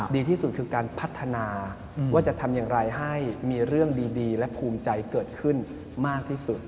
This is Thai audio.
ดีที่สุดคือการพัฒนาว่าจะทำอย่างไรให้มีเรื่องดีและภูมิใจเกิดขึ้นมากที่สุด